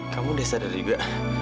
kamu udah sadar juga